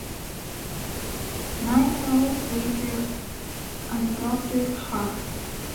Naipaul later adopted her.